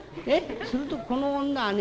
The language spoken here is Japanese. するとこの女はね